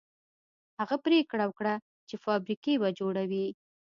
هغه پرېکړه وکړه چې فابريکې به جوړوي.